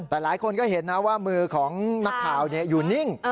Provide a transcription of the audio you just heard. แต่หลายคนก็เห็นนะว่ามือของนักข่าวอยู่นิ่ง